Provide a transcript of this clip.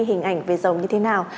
hình ảnh về rồng như thế nào